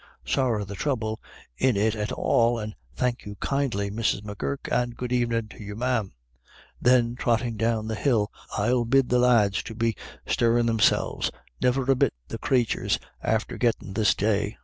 Sorra the trouble in it at all, and thank you kindly, Mrs. M'Gurk, and good evenin* to you, ma'am." Then, trotting down the hill :" I'll bid the lads to be stirrin* themselves. Niver a bit the cratur's after gittin' this day."